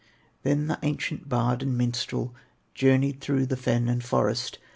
Then the ancient bard and minstrel Journeyed through the fen and forest.